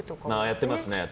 やってますね。